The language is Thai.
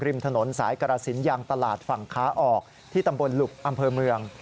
ริมถนนสายกรสินยางตลาดฝั่งขาออกที่ตำบลหลุบอำเภอเมือง